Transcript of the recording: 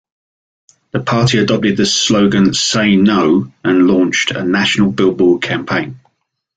The party adopted the slogan "say no" and launched a national billboard campaign.